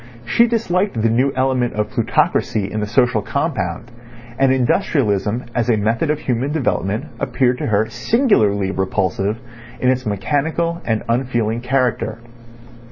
She disliked the new element of plutocracy in the social compound, and industrialism as a method of human development appeared to her singularly repulsive in its mechanical and unfeeling character.